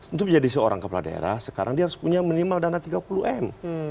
untuk menjadi seorang kepala daerah sekarang dia harus punya minimal dana tiga puluh m